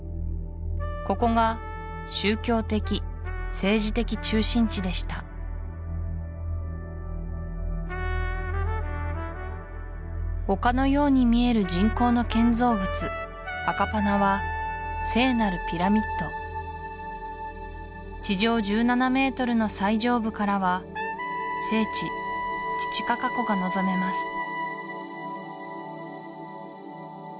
ここが宗教的・政治的中心地でした丘のように見える人工の建造物アカパナは聖なるピラミッド地上１７メートルの最上部からは聖地チチカカ湖が望めます